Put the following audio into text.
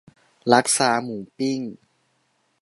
ลักซาหมูปิ้ง